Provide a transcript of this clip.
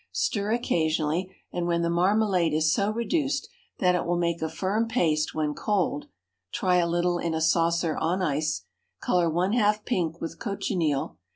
Stir occasionally, and when the marmalade is so reduced that it will make a firm paste when cold (try a little in a saucer on ice), color one half pink with cochineal.